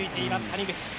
谷口。